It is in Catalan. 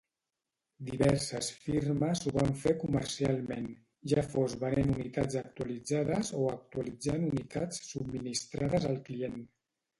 Diverses firmes ho van fer comercialment, ja fos venent unitats actualitzades o actualitzant unitats subministrades al client.